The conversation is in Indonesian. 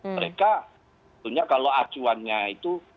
mereka punya kalau acuannya itu